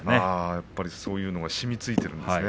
やっぱりそういうのがしみついているんですね。